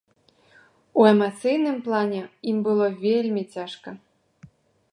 У эмацыйным плане ім было вельмі цяжка.